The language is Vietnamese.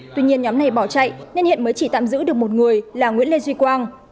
tuy nhiên nhóm này bỏ chạy nên hiện mới chỉ tạm giữ được một người là nguyễn lê duy quang